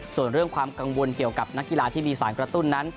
ส่วนเรื่องความกังวลเกี่ยวกับนักกีฬาที่มีสารกระตุ้นนั้น